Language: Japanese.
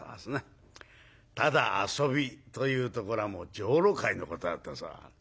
ただ遊びというところも女郎買いのことだったそう。